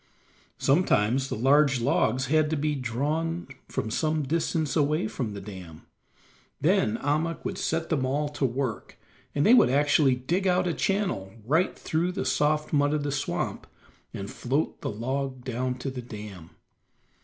Sometimes the large logs had to be drawn from some distance away from the dam; then Ahmuk would set them all to work, and they would actually dig out a channel right through the soft mud of the swamp, and float the log down to the dam.